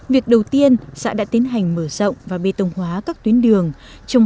việc đầu tiên xã đã tiến hành mở rộng và bê tông hóa các tuyến đường